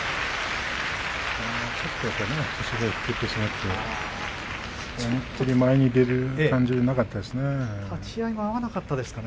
ちょっと腰が引けてしまって前に出る感じではなかったですね。